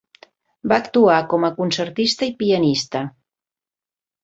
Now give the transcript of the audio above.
Va actuar com a concertista i pianista.